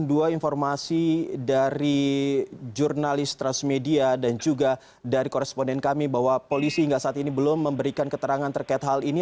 dua informasi dari jurnalis transmedia dan juga dari koresponden kami bahwa polisi hingga saat ini belum memberikan keterangan terkait hal ini